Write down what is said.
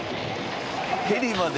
ヘリまで。